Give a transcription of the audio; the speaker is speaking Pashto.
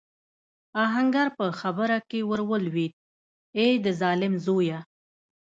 آهنګر په خبره کې ور ولوېد: اې د ظالم زويه!